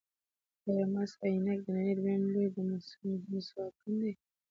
آیا مس عینک د نړۍ دویم لوی د مسو کان دی؟